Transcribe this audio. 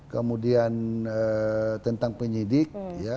kemudian tentang penyidik